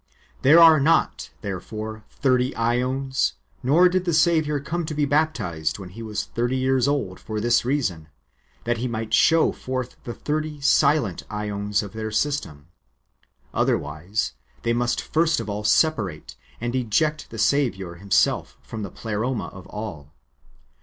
There are not, therefore, thirty ^ons, nor did the Saviour come to be baptized when He was thirty years old, for this reason, that He might show forth the thirty silent^ ^ons of their system, otherwise they must first of all separate and eject [the Saviour] Himself from the Pleroma of all.